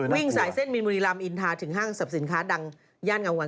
วิ่งสายเส้นมีนบุรีรำอินทาถึงห้างสรรพสินค้าดังย่านเงาวัน